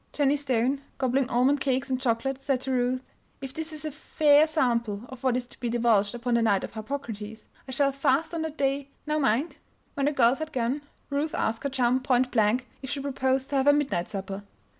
Jennie Stone, gobbling almond cakes and chocolate, said to Ruth: "If this is a fair sample of what is to be divulged upon the Night of Harpocrates, I shall fast on that day now mind!" When the girls had gone Ruth asked her chum, point blank, if she proposed to have a midnight supper.